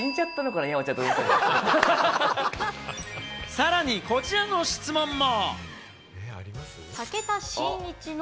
さらにこちらの質問も。